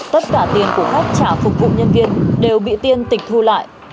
tất cả tiền của khách trả phục vụ nhân kiện đều bị tiên tịch thu lại